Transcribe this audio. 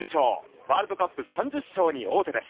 ワールドカップ３０勝に王手です。